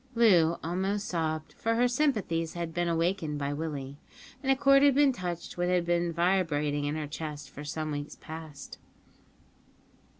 Loo almost sobbed, for her sympathies had been awakened by Willie, and a chord had been touched which had been vibrating in her breast for some weeks past.